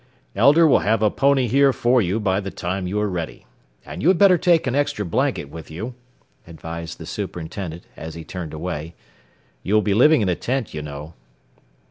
"Elder will have a pony here for you by the time you are ready. And you had better take an extra blanket with you," advised the superintendent as he turned away. "You will be living in a tent, you know."